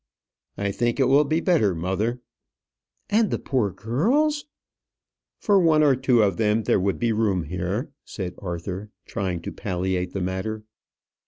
"I think it will be better, mother." "And the poor girls!" "For one or two of them there would be room here," said Arthur, trying to palliate the matter.